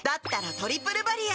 「トリプルバリア」